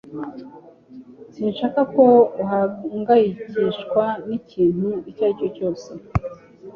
Sinshaka ko uhangayikishwa n'ikintu icyo ari cyo cyose